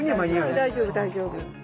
大丈夫大丈夫。